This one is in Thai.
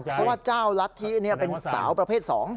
เพราะว่าเจ้าลัดที่นี่เป็นสาวประเภทสอง